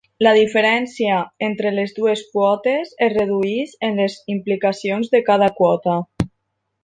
La diferència entre les dues quotes es redueix en les implicacions de cada quota.